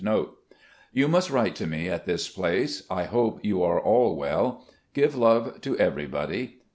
* "You must write to me at this place. I hope you are all well. Give love to everybody.